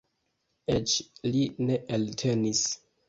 Eĉ li ne eltenis.